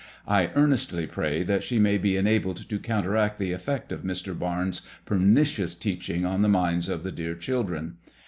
I earnestly pray that she may be enabled to counteract the effect of Mr. Barnes' per nicious teaching on the minds of the dear children.